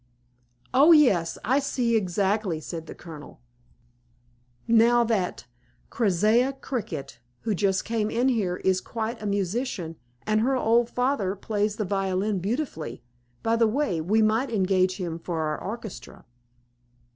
"Oh, yes, I see exactly," said the Colonel. "Now that Keziah Cricket, who just came in here, is quite a musician, and her old father plays the violin beautifully; by the way, we might engage him for our orchestra."